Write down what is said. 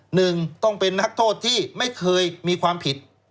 หนึ่งต้องเป็นนักโทษที่ไม่เคยมีความผิด